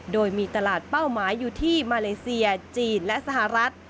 โดยมีตลาดเป้าหมายอยู่ที่มาเลเซียจีนและสหรัฐ